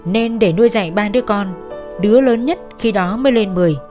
nên để nuôi dạy ba đứa con đứa lớn nhất khi đó mới lên một mươi